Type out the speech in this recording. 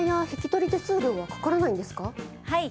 はい。